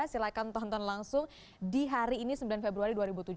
silahkan tonton langsung di hari ini sembilan februari dua ribu tujuh belas